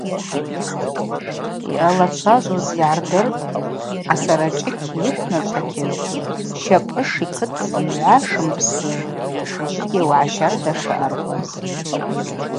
Йъалачважвуз йгӏардыртӏ асарачӏыкӏь йыквначӏвакьыз Щапӏыш йкыт зымгӏва шымпсыз, ужвыгьи уагӏа щарда шаъаркӏваз.